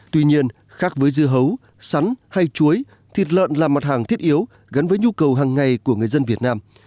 tuy nhiên khác với dưa hấu sắn hay chuối thịt lợn là mặt hàng thiết yếu gắn với nhu cầu hàng ngày của người dân việt nam